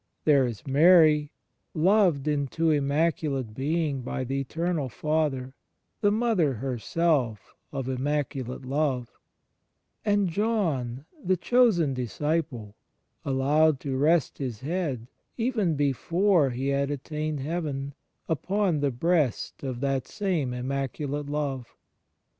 There is Mary, loved into immaculate being by the Eternal Father, the Mother Herself of Immaculate Love, and John the chosen dis ciple, allowed to rest his head, even before he had attained heaven, upon the breast of that same Immacu late Love.